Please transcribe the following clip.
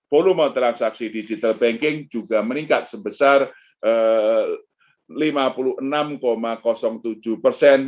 volume transaksi digital banking juga meningkat sebesar lima puluh enam tujuh persen